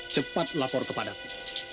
cepat lapor kepadaku